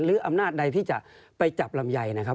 อำนาจใดที่จะไปจับลำไยนะครับ